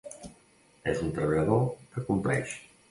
És un treballador que compleix.